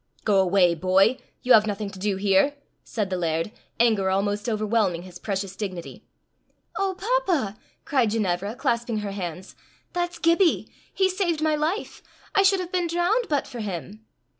"Go away, boy. You have nothing to do here," said the laird, anger almost overwhelming his precious dignity. "Oh, papa!" cried Ginevra, clasping her hands, "that's Gibbie! He saved my life. I should have been drowned but for him."